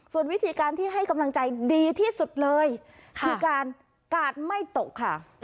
ส่วนวิธีการที่ให้กำลังใจดีที่สุดเลยคือการกาดไม่ตกค่ะ